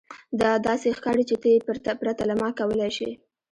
دا داسې ښکاري چې ته یې پرته له ما کولی شې